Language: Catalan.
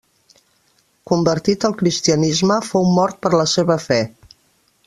Convertit al cristianisme, fou mort per la seva fe.